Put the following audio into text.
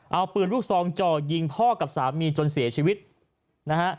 เอาปืนลูกซองจ่อยิงพ่อกับสามีจนเสียชีวิตนะฮะ